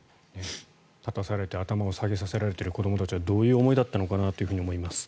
頭を下げさせられている子どもはどういう思いだったのかなと思います。